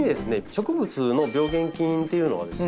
植物の病原菌っていうのはですね